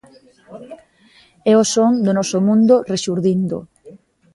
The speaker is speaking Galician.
É o son do noso mundo rexurdindo.